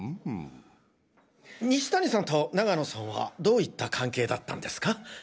西谷さんと永野さんはどういった関係だったんですか？